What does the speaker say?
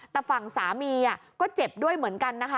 แต่ฝั่งสามีก็เจ็บด้วยเหมือนกันนะคะ